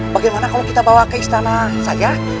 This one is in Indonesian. bagaimana kalau kita bawa ke istana saja